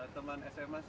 teman sma sih